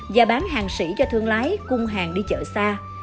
và bán hàng sĩ cho thương lái cung hàng đi chợ xa